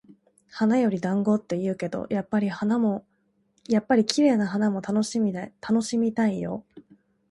「花より団子」って言うけど、やっぱり綺麗な花も楽しみたいよ。